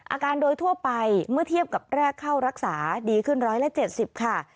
อาการโดยทั่วไปเมื่อเทียบกับแรกเข้ารักษาดีขึ้น๑๗๐ค่ะ